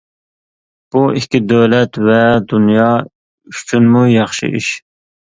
بۇ ئىككى دۆلەت ۋە دۇنيا ئۈچۈنمۇ ياخشى ئىش.